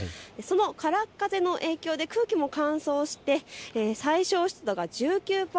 そのからっ風の影響で空気も乾燥して最少湿度が１９％。